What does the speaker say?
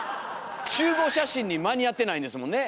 集合写真に間に合ってないんですもんね。